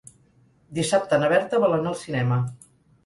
Dissabte na Berta vol anar al cinema.